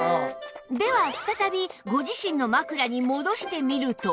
では再びご自身の枕に戻してみると